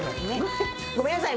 ごめんなさい。